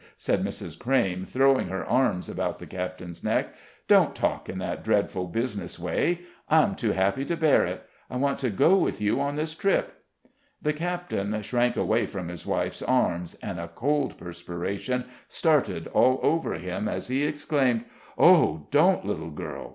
said Mrs. Crayme, throwing her arms about the captain's neck, "don't talk in that dreadful business way! I'm too happy to bear it. I want to go with you on this trip." The captain shrank away from his wife's arms, and a cold perspiration started all over him as he exclaimed: "Oh, don't, little girl!